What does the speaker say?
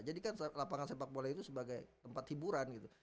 jadikan lapangan sepak bola itu sebagai tempat hiburan gitu